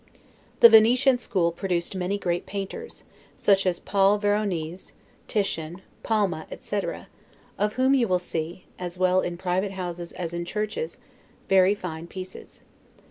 The Venetian school produced many great painters, such as Paul Veronese, Titian, Palma, etc., of whom you will see, as well in private houses as in churches, very fine pieces.